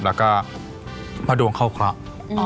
แล้วก็พระดวงเข้าเคราะห์